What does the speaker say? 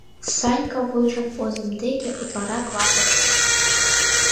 Санька вуйжым озым деке утларак лап ыштыш.